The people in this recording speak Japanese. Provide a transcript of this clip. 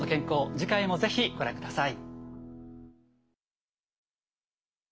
次回も是非ご覧ください。